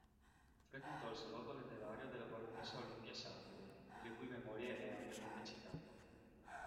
Frequentò il salotto letterario della baronessa Olimpia Savio, nelle cui memorie è ampiamente citato.